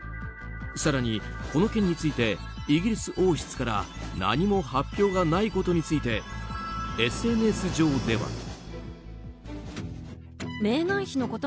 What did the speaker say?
更に、この件についてイギリス王室から何も発表がないことについてＳＮＳ上では。